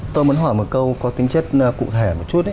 tôi muốn hỏi một câu có tính chất cụ thể một chút